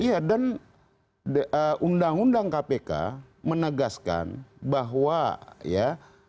iya dan undang undang kpk menegaskan bahwa ya